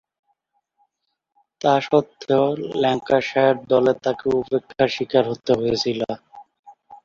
তাসত্ত্বেও, Lancashire দলে তাকে উপেক্ষার শিকার হতে হয়েছিল।